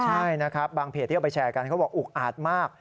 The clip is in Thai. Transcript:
ใช่นะครับบางเพจที่เอาไปแชร์กันเขาบอกอุกอาดมาก